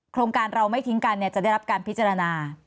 โครงการเราไม่ทิ้งกันจะได้รับการพิจารณา